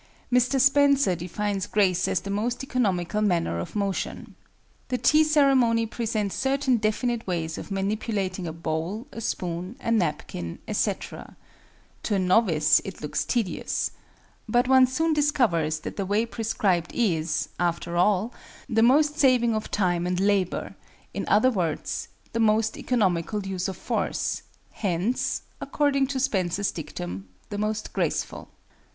Mr. Spencer defines grace as the most economical manner of motion. The tea ceremony presents certain definite ways of manipulating a bowl, a spoon, a napkin, etc. To a novice it looks tedious. But one soon discovers that the way prescribed is, after all, the most saving of time and labor; in other words, the most economical use of force,—hence, according to Spencer's dictum, the most graceful.